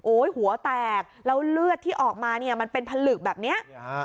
หัวแตกแล้วเลือดที่ออกมาเนี่ยมันเป็นผลึกแบบนี้